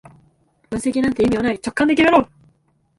分析なんて意味はない、直感だけで決めろ